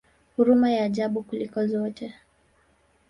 Huruma ya ajabu kuliko zote!